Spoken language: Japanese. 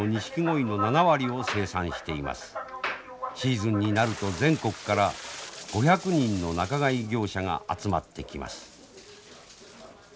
シーズンになると全国から５００人の仲買業者が集まってきます。